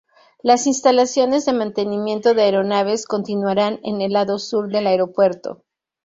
Las instalaciones de mantenimiento de aeronaves continuarán en el lado sur del aeropuerto.